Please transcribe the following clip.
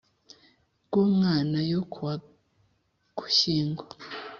Bw umwana yo kuwa ugushyingo